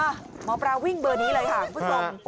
หมอปลาวิ่งเบอร์นี้เลยค่ะคุณผู้ชม